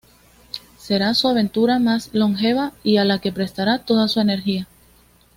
Será su aventura más longeva y a la que prestará toda su energía.